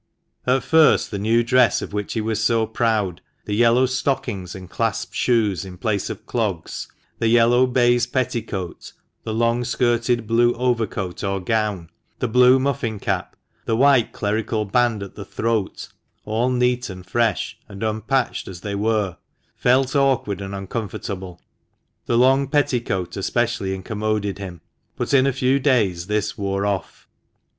At first the new dress of which he was so proud, the yellow stockings and clasped shoes in place of clogs, the yellow baize petticoat, the long skirted blue overcoat or gown, the blue muffin cap, the white clerical band at the throat (all neat, and fresh, and unpatched as they were), felt awkward and uncomfortable — the long petticoat especially incommoded him. But in a few days this wore off.